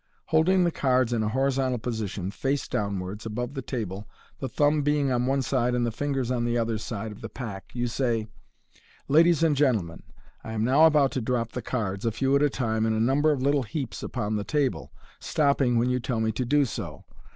Holding the cards in a horizontal position, face downwards, above the table, the thumb being on one side and the fingers on the other side of the pack, you say, u Ladies and gentlemen, I am now about to drop the cards, a few at a time, in a number of little heaps upon the table, stopping when you tell me to do so.